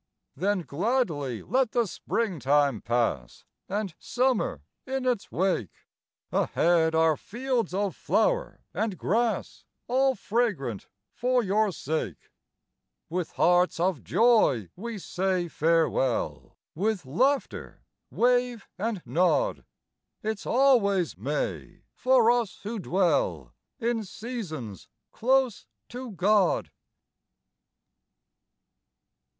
Then gladly let the Springtime pass And Summer in its wake; Ahead are fields of flower and grass All fragrant for your sake: With hearts of joy we say farewell, With laughter, wave and nod, It's always May for us who dwell In seasons close to God.